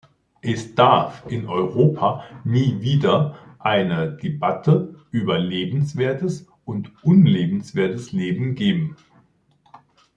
Es darf in Europa nie wieder eine Debatte über lebenswertes und unlebenswertes Leben geben.